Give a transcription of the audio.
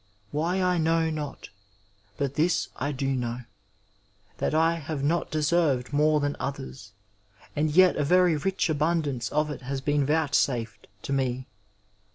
Why I know not, but this I do know, that I have not deserved more than others, and yet, a very rich abundance of it has been vouchsafed to me.